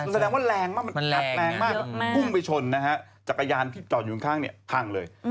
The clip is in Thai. แสดงว่าแรงมากมันพุ่งไปชนจักรยานที่จอดอยู่ข้างพังเลย